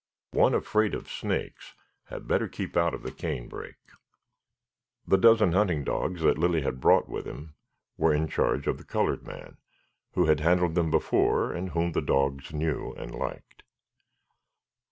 One afraid of snakes had better keep out of the canebrake. The dozen hunting dogs that Lilly had brought with him were in charge of the colored man, who had handled them before and whom the dogs knew and liked.